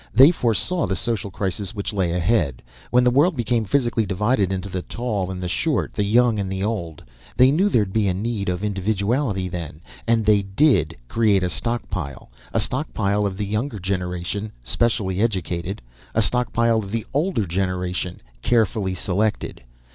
They foresaw the social crisis which lay ahead, when the world became physically divided into the tall and the short, the young and the old. They knew there'd be a need of individuality then and they did create a stockpile. A stockpile of the younger generation, specially educated; a stockpile of the older generation, carefully selected.